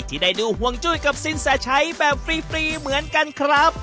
ที่ได้ดูห่วงจุ้ยกับสินแสชัยแบบฟรีเหมือนกันครับ